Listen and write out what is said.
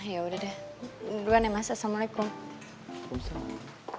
ya udah deh dua nemas assalamualaikum